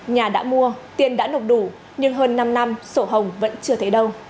nhà đã mua tiền đã nộp đủ nhưng hơn năm năm sổ hồng vẫn chưa thấy đâu